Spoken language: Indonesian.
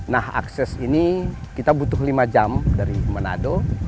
nah akses ini kita butuh lima jam dari manado